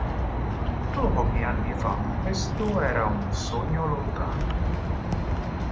Solo pochi anni fa questo era un sogno lontano.